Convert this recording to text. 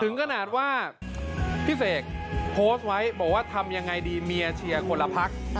ขนาดว่าพี่เสกโพสต์ไว้บอกว่าทำยังไงดีเมียเชียร์คนละพัก